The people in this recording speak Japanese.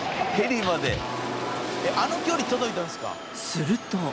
すると。